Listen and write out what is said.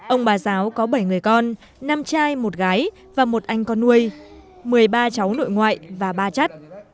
ông bà giáo có bảy người con năm trai một gái và một anh con nuôi một mươi ba cháu nội ngoại và ba chất